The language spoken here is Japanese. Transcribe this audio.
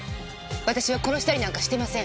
私は殺したりなんかしてません。